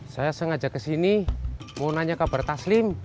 saya sengaja kesini mau nanya kabar taslim